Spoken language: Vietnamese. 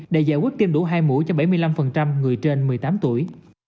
để giải quyết tiêm đủ hai mũi cho bảy mươi năm người trên một mươi tám tuổi